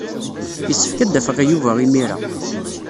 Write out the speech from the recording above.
Yessefk ad d-afeɣ Yuba imir-a.